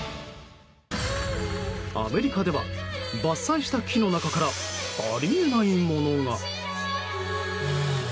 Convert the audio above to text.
アメリカでは、伐採した木の中からあり得ないものが。